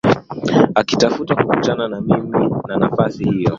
akitafuta kukutana na mimi na nafasi hiyo